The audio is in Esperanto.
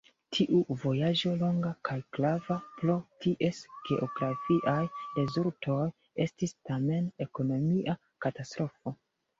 Tiu vojaĝo, longa kaj grava pro ties geografiaj rezultoj, estis tamen ekonomia katastrofo.